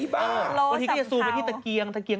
บางทีก็จะสูงไปที่ตะเกียง